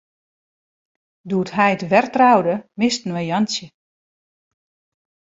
Doe't heit wer troude, misten we Jantsje.